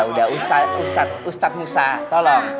udah ustaz musa tolong